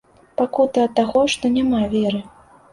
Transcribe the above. Пакута ад таго, што няма веры.